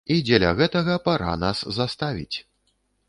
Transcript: І дзеля гэтага пара нас заставіць.